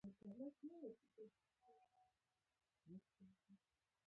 له خپلې کورنۍ لرې ژوند کول ډېر ګران دي.